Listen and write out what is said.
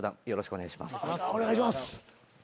お願いします。